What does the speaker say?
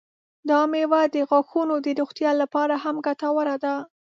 دا میوه د غاښونو د روغتیا لپاره هم ګټوره ده.